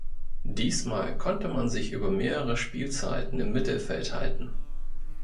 Diesmal konnte man sich über mehrere Spielzeiten im Mittelfeld halten.